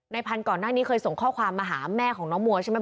พันธุ์ก่อนหน้านี้เคยส่งข้อความมาหาแม่ของน้องมัวใช่ไหม